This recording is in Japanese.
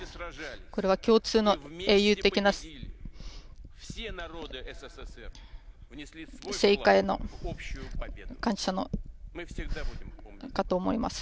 これは共通の英雄的な成果への感謝かと思います。